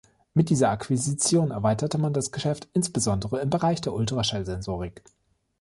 Mit dieser Akquisition erweiterte man das Geschäft insbesondere im Bereich der Ultraschall-Sensorik.